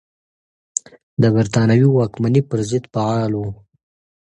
د بریتانوي واکمنۍ پر ضد فعال و.